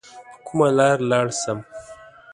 په کومه لار لاړ سم؟